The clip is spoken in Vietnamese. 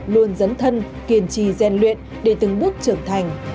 luôn dấn thân kiên trì gian luyện để từng bước trưởng thành